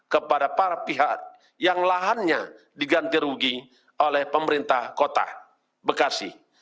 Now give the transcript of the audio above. kepada para pihak yang lahannya diganti rugi oleh pemerintah kota bekasi